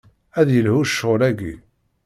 Ad yelhu ccɣel-aki.